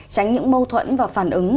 tránh những mâu thuẫn và phản ứng